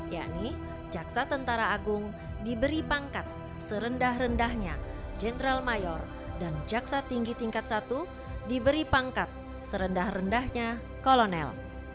yakni jaksa tentara agung diberi pangkat serendah rendahnya jenderal mayor dan jaksa tinggi tingkat satu diberi pangkat serendah rendahnya kolonel